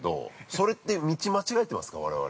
それって道間違えてますか、我々。